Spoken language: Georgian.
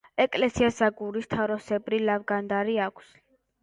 ეკლესიას აგურის თაროსებრი ლავგარდანი აქვს.